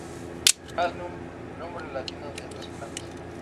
Jasminum: nombre latino de estas plantas.